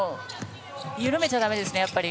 緩めちゃだめですね、やっぱり。